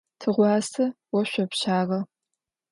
Tığuase voşsopşağe.